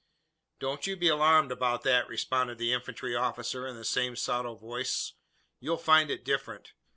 "Don't you be alarmed about that," responded the infantry officer, in the same sotto voce. "You'll find it different.